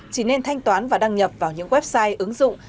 chỉ nên thanh toán và đăng nhập vào những website ứng dụng